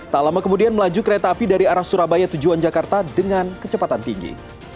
tak lama kemudian melaju kereta api dari arah surabaya tujuan jakarta dengan kecepatan tinggi